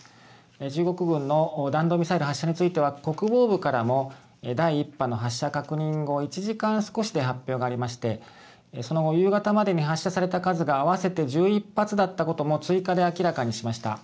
中国軍の弾道ミサイル発射については国防部からも第１波の発射確認後１時間少しで発表がありまして、その後夕方までに発射された数が合わせて１１発だったことも追加で明らかにしました。